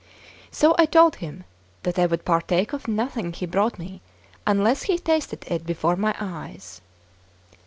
So I told him that I would partake of nothing he brought me unless he tasted it before my eyes.